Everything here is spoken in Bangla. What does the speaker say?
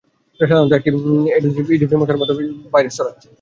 সাধারণত এডিস ইজিপ্টি মশার মাধ্যমে জিকা ভাইরাস ছড়াচ্ছে, যার আবাসস্থল ক্রান্তীয় অঞ্চল।